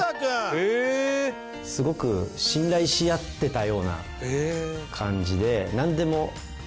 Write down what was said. すごく信頼し合ってたような感じで。